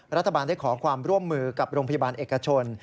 รัฐบาลได้ขอความร่วมมือกับโรงพยาบาลเอกชน